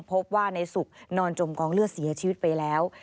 พบว่าในสุขนอนจมกองเลือดเสียชีวิตไปแล้ว